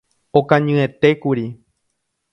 Okañyetékuri.